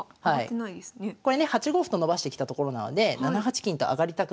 これね８五歩と伸ばしてきたところなのではい。